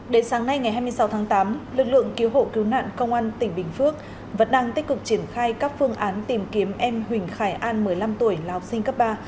đến sáng nay ngày hai mươi sáu tháng tám lực lượng cứu hộ cứu nạn công an tỉnh bình phước vẫn đang tích cực triển khai các phương án tìm kiếm em huỳnh khải an một mươi năm tuổi là học sinh cấp ba